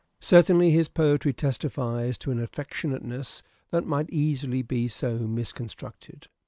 Certainly his poetry testifies to an affectionate ness that might easily be so misconstructed.